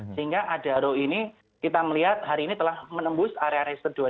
sehingga adaro ini kita melihat hari ini telah menembus area area set dua lima ratus